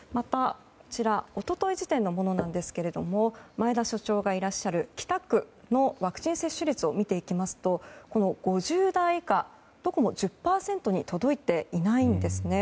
一昨日時点のものなんですが前田所長がいらっしゃる北区のワクチン接種率を見ていきますと、５０代以下どこも１０％に届いていないんですね。